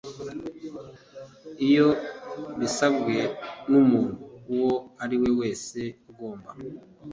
iyo bisabwe n umuntu uwo ariwe wese ugomba